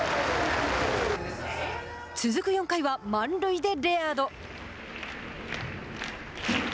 続く４回は満塁でレアード。